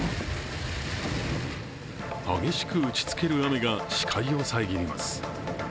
激しく打ちつける雨が視界を遮ります。